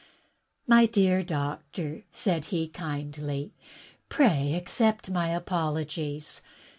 "My dear doctor," said he kindly, "pray accept my apologies.